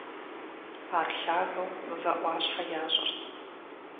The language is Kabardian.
Ар лъагэу мывэ Ӏуащхьэ ящӀырт.